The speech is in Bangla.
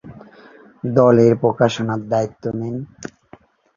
দলের প্রকাশনার দায়িত্ব নেন।